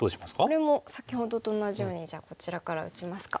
これも先ほどと同じようにじゃあこちらから打ちますか。